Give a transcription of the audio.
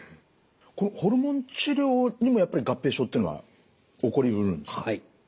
これホルモン治療にもやっぱり合併症っていうのは起こりうるんですか。